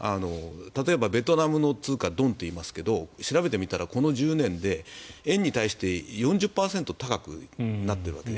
例えば、ベトナムの通貨ドンといいますけど調べてみたら、この１０年で円に対して４０％高くなっているわけ。